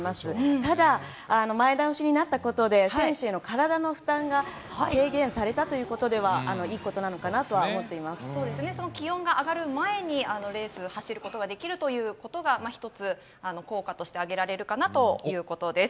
ただ、前倒しになったことで、選手への体の負担が軽減されたということでは、そうですね、気温が上がる前に、レース、走ることができるということが、一つ、効果として挙げられるかなということです。